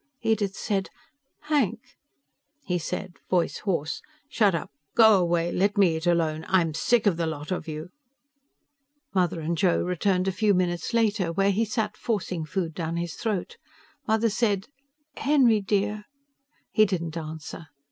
Edith said, "Hank!" He said, voice hoarse, "Shut up. Go away. Let me eat alone. I'm sick of the lot of you." Mother and Joe returned a few minutes later where he sat forcing food down his throat. Mother said, "Henry dear " He didn't answer.